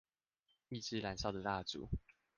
一支燃燒的蠟燭